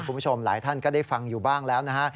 คุณผู้ชมหลายท่านก็ได้ฟังอยู่บ้างแล้วนะฮะ